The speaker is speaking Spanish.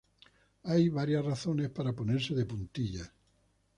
Hay varias razones para ponerse de puntillas.